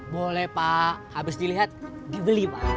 boleh pak habis dilihat dibeli pak